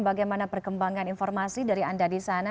bagaimana perkembangan informasi dari anda di sana